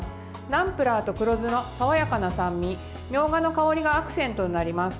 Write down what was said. ナムプラーと黒酢のさわやかな酸味みょうがの香りがアクセントになります。